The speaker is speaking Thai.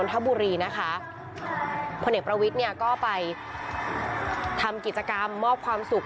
พลเอกประวิทย์เนี่ยก็ไปทำกิจกรรมมอบความสุข